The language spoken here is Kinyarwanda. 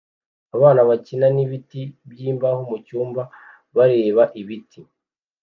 Abana bakina nibiti byimbaho mucyumba bareba ibiti